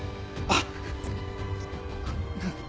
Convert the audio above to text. あっ。